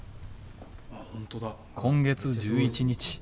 今月１１日。